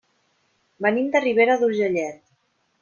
Venim de Ribera d'Urgellet.